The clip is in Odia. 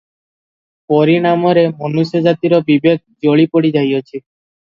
ପରିଣାମରେ ମନୁଷ୍ୟଜାତିର ବିବେକ ଜଳିପୋଡ଼ି ଯାଇଅଛି ।